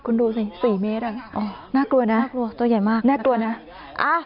คุณดูสิ๔เมตรน่ากลัวนะน่ากลัวตัวใหญ่มากน่ากลัวนะ